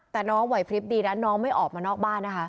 แต่น้องไหวพลิบดีนะน้องไม่ออกมานอกบ้านนะคะ